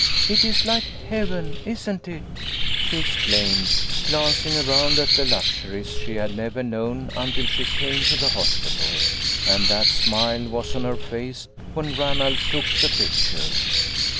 It is like heaven, isn't it ?" she exclaimed, glancing around at the luxuries she had never known until she came to the hospital, and that smile was on her face when Ranald took the picture.